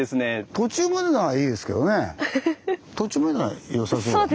途中までならよさそうだよね。